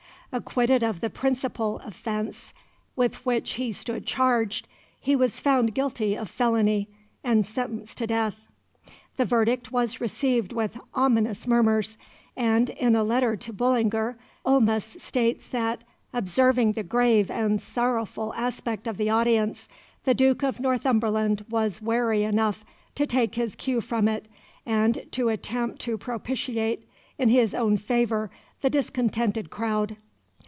Acquitted of the principal offence with which he stood charged, he was found guilty of felony, and sentenced to death. The verdict was received with ominous murmurs, and, in a letter to Bullinger, Ulmis states that, observing the grave and sorrowful aspect of the audience, the Duke of Northumberland was wary enough to take his cue from it, and to attempt to propitiate in his own favour the discontented crowd.